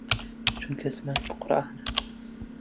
چونکە زمانی قورئانە